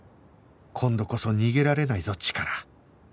今度こそ逃げられないぞチカラ